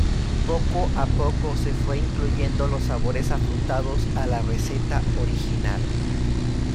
Poco a poco se fue incluyendo los sabores afrutados a la receta original.